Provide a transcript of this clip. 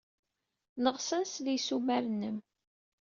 Neɣs ad nsel i yissumar-nnem.